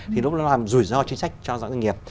thì lúc đó làm rủi ro chính sách cho doanh nghiệp